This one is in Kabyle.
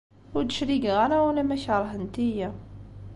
Ur d-cligeɣ ara ula ma keṛhent-iyi.